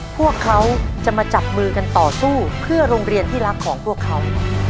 พวกเขาจะมาจับมือกันต่อสู้เพื่อโรงเรียนที่รักของพวกเขา